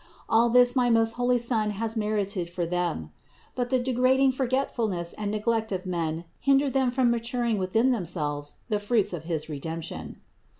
All this my most holy Son has merited for them. But the degrading forgetfulness and neglect of men hin der them from maturing within themselves the fruits of his Redemption.